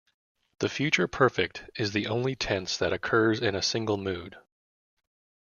The future perfect is the only tense that occurs in a single mood.